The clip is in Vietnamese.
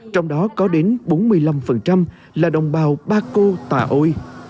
trong đó có đến bốn mươi năm là đồng bào ba cô tà ôi